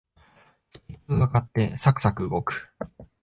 スペックが上がってサクサク動く